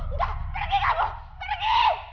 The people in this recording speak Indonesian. enggak pergi kamu pergi